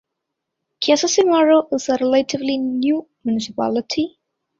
Casasimarro is a relatively new municipality.